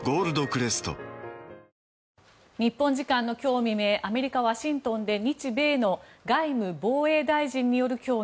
未明アメリカ・ワシントンで日米の外務・防衛大臣による協議